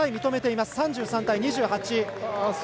３３対２８。